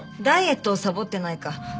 ダイエットをサボってないか